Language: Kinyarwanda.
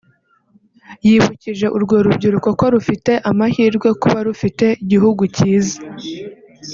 yibukije urwo rubyiruko ko rufite amahirwe kuba rufite igihugu cyiza